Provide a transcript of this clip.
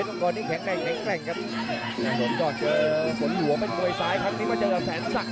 พี่พ่อนก่อนส่วนตัวไอ้ซ้ายต้องเจอแค่ขวาเก็บใกล้ครับแสนสัก